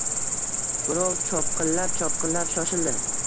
Birov chopqillab-chopqillab shoshildi.